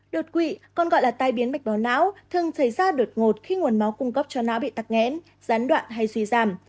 đột quỵ còn gọi là tai biến mạch máu não thường xảy ra đột ngột khi nguồn máu cung cấp cho não bị tắc nghẽn gián đoạn hay suy giảm